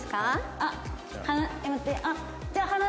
あっじゃあ。